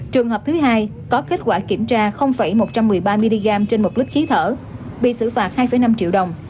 trường hợp thứ hai có kết quả kiểm tra một trăm một mươi ba mg trên một lít khí thở bị xử phạt hai năm triệu đồng